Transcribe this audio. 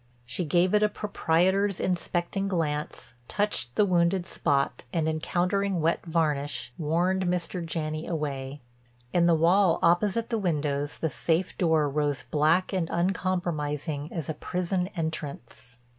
She gave it a proprietor's inspecting glance, touched the wounded spot, and encountering wet varnish, warned Mr. Janney away. In the wall opposite the windows the safe door rose black and uncompromising as a prison entrance.